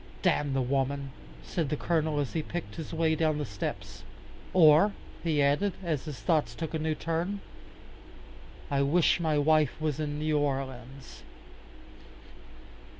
"Damn the woman," said the Colonel as he picked his way down the steps. "Or," he added, as his thoughts took a new turn, "I wish my wife was in New Orleans."